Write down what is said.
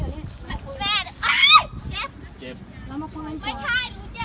สวัสดีครับคุณพลาด